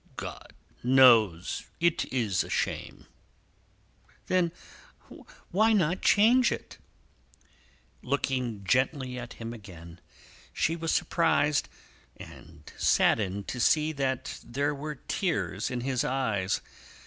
"God knows it is a shame!" "Then why not change it?" Looking gently at him again, she was surprised and saddened to see that there were tears in his eyes.